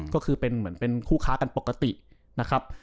ก็คือเป็นเหมือนเป็นคู่ค้ากันปกตินะครับ